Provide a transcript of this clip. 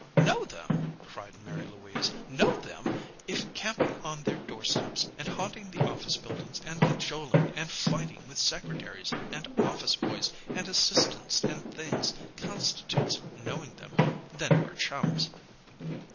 "Know them!" cried Mary Louise. "Know them! If camping on their doorsteps, and haunting the office buildings, and cajoling, and fighting with secretaries and office boys, and assistants and things constitutes knowing them, then we're chums."